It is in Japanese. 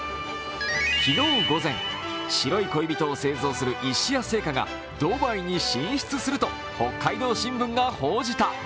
昨日午前、白い恋人を製造する石屋製菓がドバイに進出すると北海道新聞が報じた。